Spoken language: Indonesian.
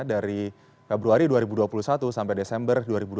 dari februari dua ribu dua puluh satu sampai desember dua ribu dua puluh